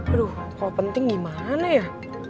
aduh kalau penting gimana ya